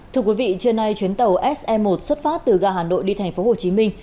thưa quý vị trưa nay chuyến tàu se một xuất phát từ ga hà nội đi thành phố hồ chí minh